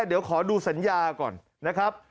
เดี๋ยวขอดูสัญญาก่อนนะครับ